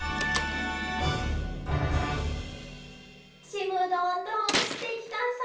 ちむどんどんしてきたさ。